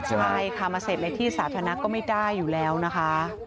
ใช่ค่ะมาเสพในที่สาธารณะก็ไม่ได้อยู่แล้วนะคะ